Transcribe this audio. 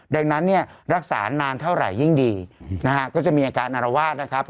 ดังนั้นเนี่ยรักษานานเท่าไหร่ยิ่งดีนะฮะก็จะมีอาการอารวาสนะครับ